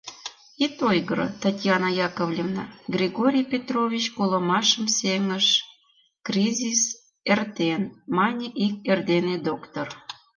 — Ит ойгыро, Татьяна Яковлевна, Григорий Петрович колымашым сеҥыш, кризис эртен, — мане ик эрдене доктор.